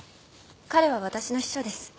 彼は私の秘書です。